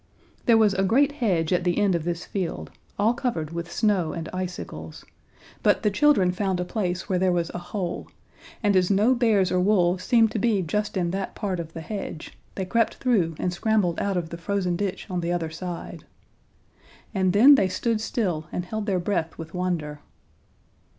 There was a great hedge at the end of this field, all covered with snow and icicles; but the children found a place where there was a hole, and as no bears or wolves seemed to be just in that part of the hedge, they crept through and scrambled out of the frozen ditch on the other side. And then they stood still and held their breath with wonder.